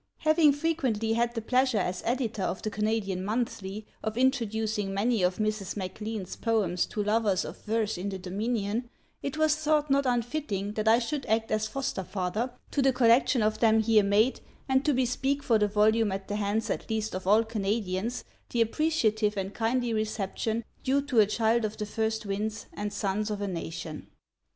Having frequently had the pleasure as editor of The Canadian Monthly, of introducing many of Mrs. MacLean's poems to lovers of verse in the Dominion it was thought not unfitting that I should act as foster father to the collection of them here made and to bespeak for the volume at the hands at least of all Canadians the appreciative and kindly reception due to a Child of the first winds and suns of a nation.